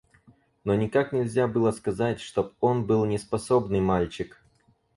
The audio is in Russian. Но никак нельзя было сказать, чтоб он был неспособный мальчик.